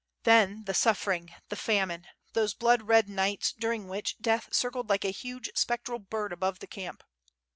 ... then the suffering, the famine, those blood red nights during which death circled like a huge spectral bird above the camp.